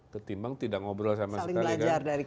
ketimbang tidak ngobrol sama sekali kan